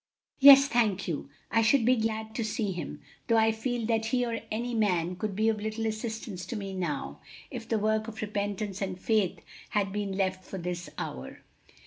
"Yes, thank you; I should be glad to see him, though I feel that he or any man could be of little assistance to me now, if the work of repentance and faith had been left for this hour."